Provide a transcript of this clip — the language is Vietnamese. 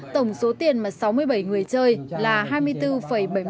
tổng số tiền mà sáu mươi bảy người chơi là hai mươi bốn bảy mươi năm tỷ đồng